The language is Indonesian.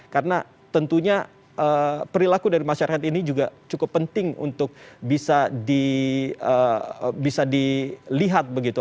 karena tentunya perilaku dari masyarakat ini juga cukup penting untuk bisa dilihat begitu